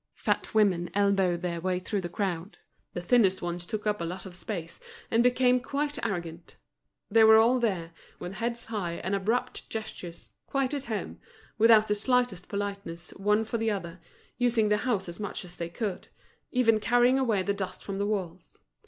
Fat women elbowed their way through the crowd. The thinnest ones took up a lot of space, and became quite arrogant. They were all there, with heads high and abrupt gestures, quite at home, without the slightest politeness one for the other, using the house as much as they could, even carrying away the dust from the walls.